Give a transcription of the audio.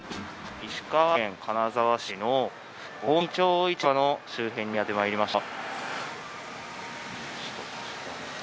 石川県金沢市の近江町市場の周辺にやってまいりました。